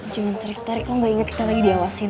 jangan terik terik lo nggak inget kita lagi diawasin